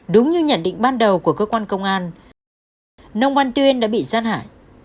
đúng như nhận định ban đầu của cơ quan công an nông văn tuyên đã bị gián hại